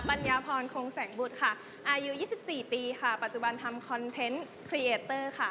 ปัญญาพรโค้งแสงบุตรอายุ๒๔ปีปัจจุบันทำคอนเทนต์เครียตเตอร์